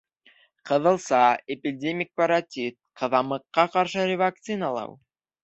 Ҡыҙылса, эпидемик паротит, ҡыҙамыҡҡа ҡаршы ревакциналау